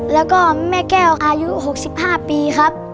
แล้วก็แม่แก้วอายุ๖๕ปีครับ